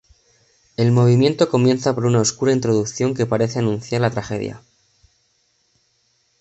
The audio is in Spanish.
El movimiento comienza por una oscura introducción que parece anunciar la tragedia.